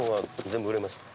全部売れました。